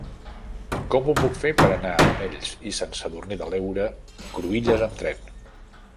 Com ho puc fer per anar a Monells i Sant Sadurní de l'Heura Cruïlles amb tren?